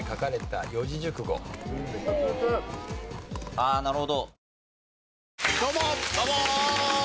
ああなるほど。